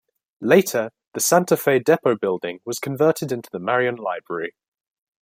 Later, the Santa Fe depot building was converted into the Marion Library.